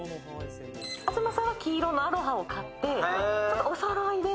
東さんは黄色のアロハを買って、おそろいで。